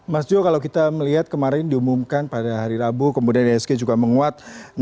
mas jo kalau kita melihat kemarin diumumkan pada hari rabu kemudian isg juga menguat